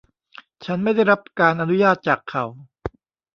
ฉันไม่ได้รับการอนุญาตจากเขา